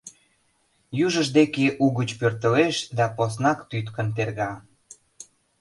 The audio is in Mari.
Южыж деке угыч пӧртылеш да поснак тӱткын терга.